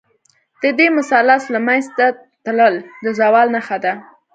د دې مثلث له منځه تلل، د زوال نښه ده.